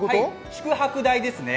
宿泊代ですね。